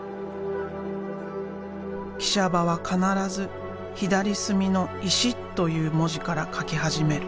喜舎場は必ず左隅の「石」という文字から書き始める。